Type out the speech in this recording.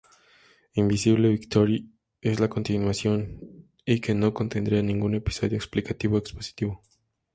Invisible Victory" es la ""continuación"" y que no contendría ningún ""episodio explicativo o expositivo"".